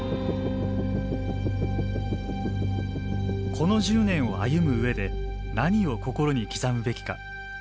この１０年を歩む上で何を心に刻むべきか。